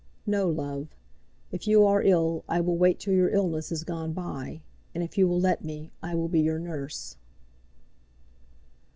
No, love. If you are ill I will wait till your illness is gone by; and, if you will let me, I will be your nurse."